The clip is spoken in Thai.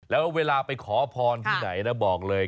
แล้วเวลาไปขอพรที่ไหนนะบอกเลย